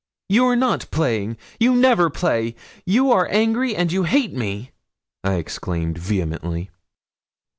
'You are not playing you never play you are angry, and you hate me,' I exclaimed, vehemently.